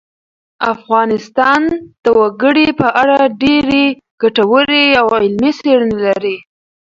افغانستان د وګړي په اړه ډېرې ګټورې او علمي څېړنې لري.